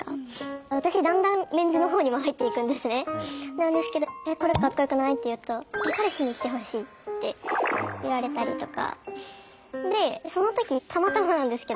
なんですけど「これかっこよくない？」って言うと「彼氏に着てほしい！」って言われたりとか。